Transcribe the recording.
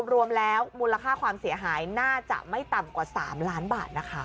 รวมแล้วมูลค่าความเสียหายน่าจะไม่ต่ำกว่า๓ล้านบาทนะคะ